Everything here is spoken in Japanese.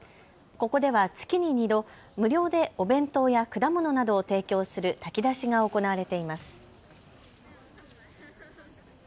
ここでは月に２度無料でお弁当や果物などを提供する炊き出しが行われています。